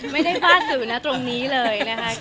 ไม่ได้ฝาดสื่อตรงนี้เลย